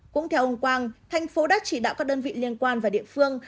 cũng theo ông quang thành phố đã chỉ đạo các đơn vị liên quan và địa phương